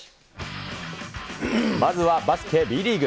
まずはバスケ・Ｂリーグ。